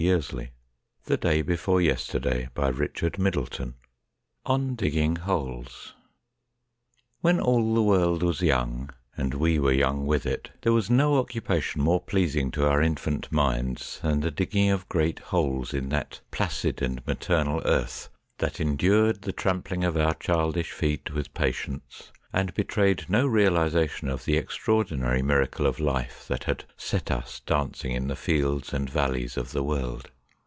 It will be a grey world when Harold is no more. ON DIGGING HOLES WHEN all the world was young and we were young with it there was no occupation more pleasing to our infant minds than the digging of great holes in that placid and maternal earth that endured the trampling of our childish feet with patience, and betrayed no realisation of the extraordinary miracle of life that had set us dancing in the fields and valleys of the world.